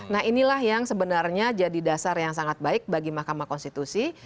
nah inilah yang sebenarnya jadi dasar yang sangat baik bagi mahkamah konstitusi